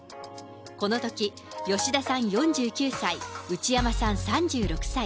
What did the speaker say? このとき、吉田さん４９歳、内山さん３６歳。